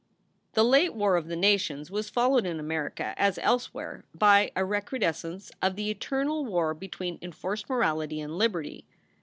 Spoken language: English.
The late war of the nations was followed in America, as elsewhere, by a recrudescence of the eternal war between enforced morality and liberty.